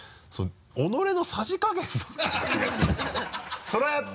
己のさじ加減の気がするから